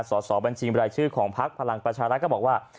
สอบบัญชีบรายชื่อของพักพลังประชารัฐก็บอกว่า